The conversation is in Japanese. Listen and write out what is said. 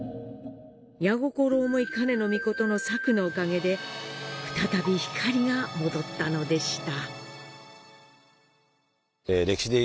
八意思兼命の策のおかげで再び光が戻ったのでした。